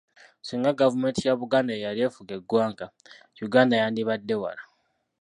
Singa gavumenti ya Buganda ye yali efuga eggwanga, Uganda yandibadde wala.